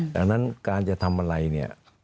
ดังนั้นการจะทำอะไรเนี่ย